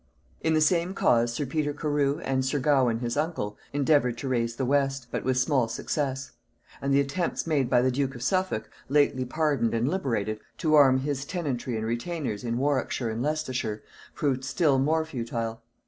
] In the same cause sir Peter Carew, and sir Gawen his uncle, endeavoured to raise the West, but with small success; and the attempts made by the duke of Suffolk, lately pardoned and liberated, to arm his tenantry and retainers in Warwickshire and Leicestershire, proved still more futile.